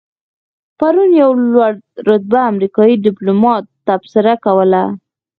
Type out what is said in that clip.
پرون یو لوړ رتبه امریکایي دیپلومات تبصره کوله.